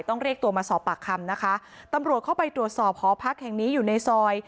เรียกตัวมาสอบปากคำนะคะตำรวจเข้าไปตรวจสอบหอพักแห่งนี้อยู่ในซอย